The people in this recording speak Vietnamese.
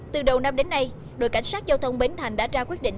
từ đầu năm đến nay đội cảnh sát giao thông bến thành đã ra quyết định